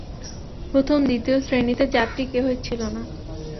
প্রথম-দ্বিতীয় শ্রেণীতে যাত্রী কেহই ছিল না।